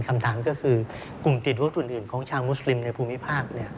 คำถามก็คือกลุ่มติดรถอื่นของชาวมุสลิมในภูมิภาค